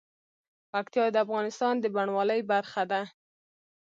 پکتیا د افغانستان د بڼوالۍ برخه ده.